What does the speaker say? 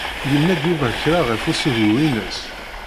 Yenna-d Yuba kra ɣef usehwu-ines?